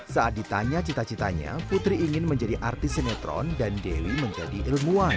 saat ditanya cita citanya putri ingin menjadi artis sinetron dan dewi menjadi ilmuwan